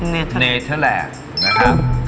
เนเทอร์แลนด์เนเทอร์แลนด์นะครับ